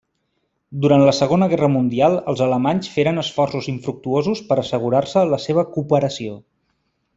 Durant la segona guerra mundial els alemanys feren esforços infructuosos per assegurar-se la seva cooperació.